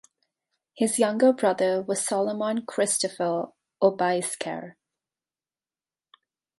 His younger brother was Solomon Christoffel Obeyesekere.